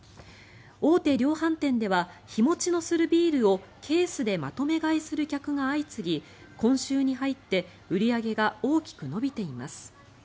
大手量販店では日持ちのするビールをケースでまとめ買いする客が相次ぎ今週に入って売り上げが大きく伸びています。